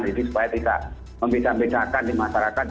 jadi supaya tidak membedakan di masyarakat